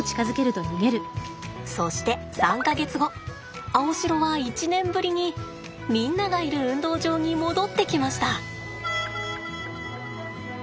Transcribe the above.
そして３か月後アオシロは１年ぶりにみんながいる運動場に戻ってきました。